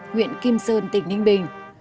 huyện kim sơn tỉnh ninh bình